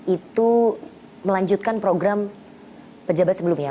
itu melanjutkan program pejabat sebelumnya